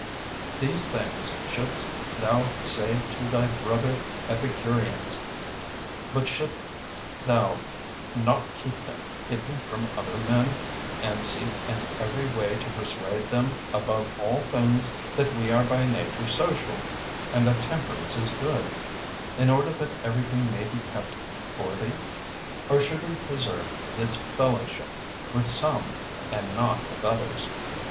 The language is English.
These things shouldst thou say to thy brother Epicureans; but shouldst thou not keep them hidden from other men, and seek in every way to persuade them above all things that we are by nature social, and that temperance is good; in order that everything may be kept for thee? Or should we preserve this fellowship with some and not with others?